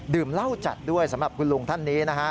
เหล้าจัดด้วยสำหรับคุณลุงท่านนี้นะฮะ